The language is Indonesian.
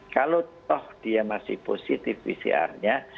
kalau toh dia masih positif pcr nya